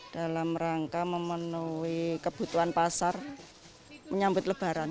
dalam rangka memenuhi kebutuhan pasar menyambut lebaran